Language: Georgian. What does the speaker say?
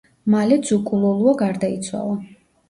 მალე ძუკუ ლოლუა გარდაიცვალა.